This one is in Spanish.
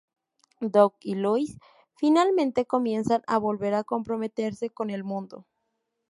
Doug y Lois finalmente comienzan a volver a comprometerse con el mundo.